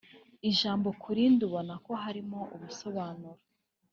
ijambo kurindi ubona ko harimo ubusobanuro